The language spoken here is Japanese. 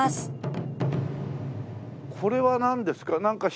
これはなんですか？